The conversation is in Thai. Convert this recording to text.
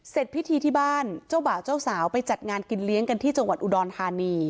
พิธีที่บ้านเจ้าบ่าวเจ้าสาวไปจัดงานกินเลี้ยงกันที่จังหวัดอุดรธานี